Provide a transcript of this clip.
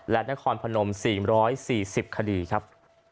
และนครพนม๔๔๐คดีครับ